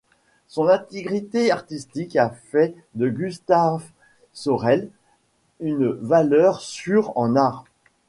Son intégrité artistique a fait de Gustaaf Sorel une valeur sûre en art.